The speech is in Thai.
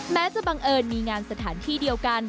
จะบังเอิญมีงานสถานที่เดียวกัน